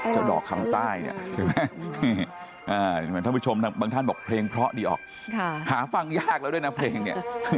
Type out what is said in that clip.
ดอกคำใต้เนี่ยใช่ไหมเหมือนท่านผู้ชมบางท่านบอกเพลงเพราะดีออกหาฟังยากแล้วด้วยนะเพลงเนี่ย